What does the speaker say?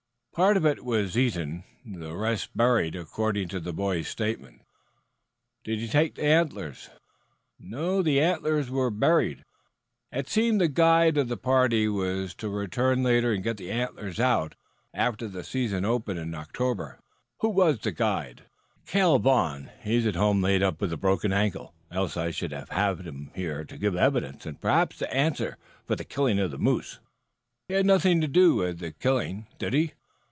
"Part of it was eaten, the rest buried, according to the boy's statement." "Did he take the antlers?" "No, the antlers were buried. It seems the guide of the party was to return later and get the antlers out, after the season opens in October." "Who was the guide?" "Cale Vaughn. He is at home laid up with a broken ankle, else I should have had him here to give evidence, and perhaps to answer for the killing of the moose." "He had nothing to do with the killing, did he?"